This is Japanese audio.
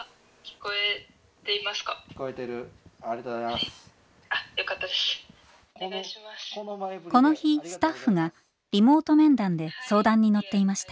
この日スタッフがリモート面談で相談に乗っていました。